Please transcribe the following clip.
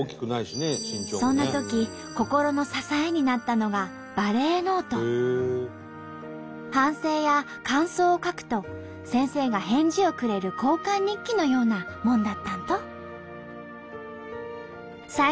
そんなとき心の支えになったのが反省や感想を書くと先生が返事をくれる交換日記のようなもんだったんと！